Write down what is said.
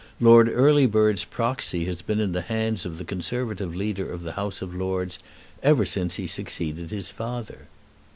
Lord Earlybird's proxy has been in the hands of the Conservative Leader of the House of Lords ever since he succeeded his father."